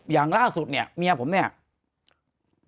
อย่างล่าสุดเนี่ยเมียผมเนี่ย